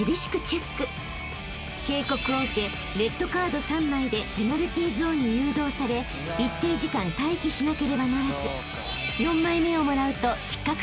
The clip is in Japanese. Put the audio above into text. ［警告を受けレッドカード３枚でペナルティーゾーンに誘導され一定時間待機しなければならず］